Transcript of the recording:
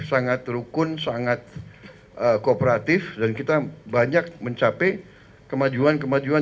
sangat rukun sangat kooperatif dan kita banyak mencapai kemajuan kemajuan